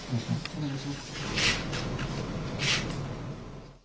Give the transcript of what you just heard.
お願いします。